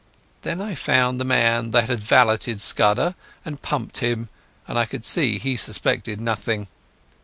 Then I found the man that had valeted Scudder, and pumped him, but I could see he suspected nothing.